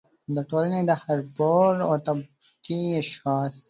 د ټولنې د هر پوړ او طبقې اشخاص